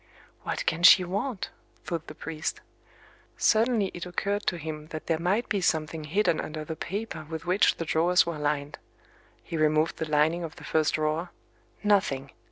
"What can she want?" thought the priest. Suddenly it occurred to him that there might be something hidden under the paper with which the drawers were lined. He removed the lining of the first drawer:—nothing!